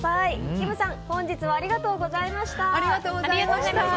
キムさん、本日はありがとうございました。